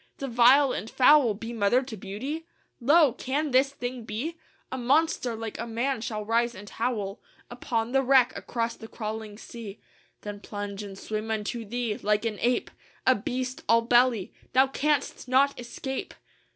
The vile and foul Be mother to beauty? Lo! can this thing be? A monster like a man shall rise and howl Upon the wreck across the crawling sea, Then plunge; and swim unto thee; like an ape, A beast all belly. Thou canst not escape!"